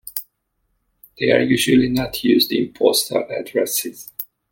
They are usually not used in postal addresses.